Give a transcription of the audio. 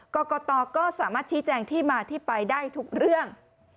กรกตก็สามารถชี้แจงที่มาที่ไปได้ทุกเรื่อง